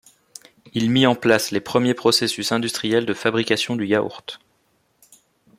Il mit en place les premiers processus industriels de fabrication du yaourt.